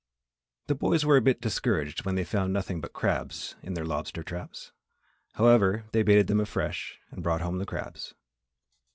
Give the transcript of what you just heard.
The boys were a bit discouraged when they found nothing but crabs in the lobster traps. However, they baited them afresh and brought home the crabs.